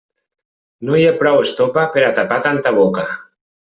No hi ha prou estopa per a tapar tanta boca.